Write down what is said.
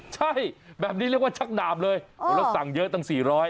ใช่แบบนี้เรียกว่าชักดาบเลยแล้วสั่งเยอะตั้ง๔๐๐